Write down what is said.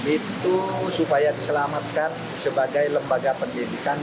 itu supaya diselamatkan sebagai lembaga pendidikan